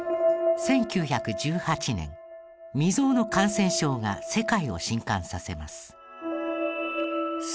１９１８年未曾有の感染症が世界を震撼させます。